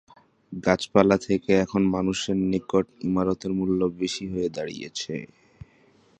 গাছপালা থেকে এখন মানুষের নিকট ইমারতের মূল্য বেশি হয়ে দাঁড়িয়েছে।